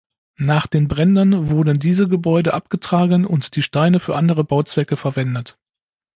Nach den Bränden wurden diese Gebäude abgetragen und die Steine für andere Bauzwecke verwendet.